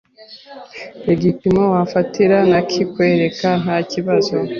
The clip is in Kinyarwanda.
Igipimo wafatira nakikwereka ntakibazo